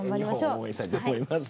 応援したいと思います。